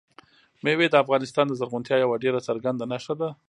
مېوې د افغانستان د زرغونتیا یوه ډېره څرګنده نښه ده.